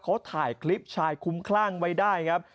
เขาถ่ายคลิปชายคุ้มคลั่งไว้ได้ครับ